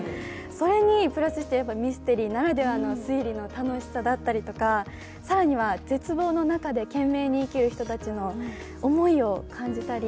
それにプラスしてミステリーならではの推理の楽しさだったりとか更には絶望の中で懸命に生きる人々の思いを感じたり